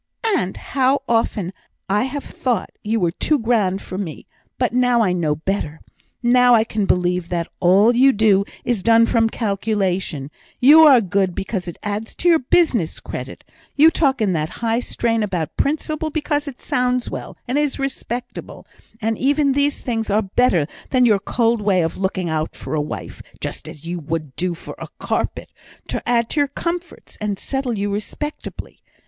"And how often I have thought you were too grand for me! but now I know better. Now I can believe that all you do is done from calculation; you are good because it adds to your business credit you talk in that high strain about principle because it sounds well, and is respectable and even these things are better than your cold way of looking out for a wife, just as you would do for a carpet, to add to your comforts, and settle you respectably.